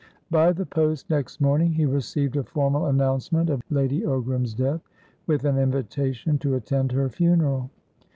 By the post next morning, he received a formal announcement of Lady Ogram's death, with an invitation to attend her funeral.